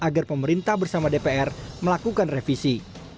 dan perintah bersama dpr melakukan revisi